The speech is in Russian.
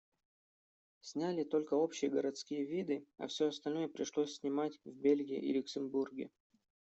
Сняли только общие городские виды, а все остальное пришлось снимать в Бельгии и Люксембурге.